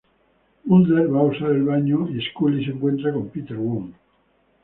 Mulder va a usar el baño y Scully se encuentra con Peter Wong.